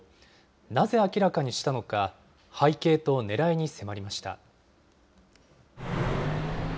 なぜ明らかにしたのか、背景とねらいに迫りました。